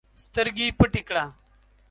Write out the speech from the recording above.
سترګي پټي کړه!